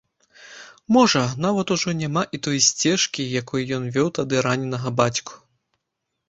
Можа, нават ужо няма і той сцежкі, якой ён вёў тады раненага бацьку.